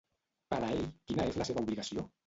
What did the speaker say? Per a ell, quina és la seva obligació?